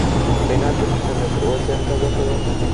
کانت وپوښتل نو تر اوسه یې مطالعه کوې.